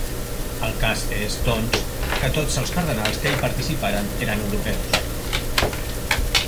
El cas és, doncs, que tots els cardenals que hi participaren eren europeus.